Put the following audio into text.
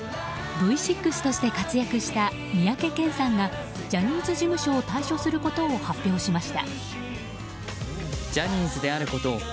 Ｖ６として活躍した三宅健さんがジャニーズ事務所を退所することを発表しました。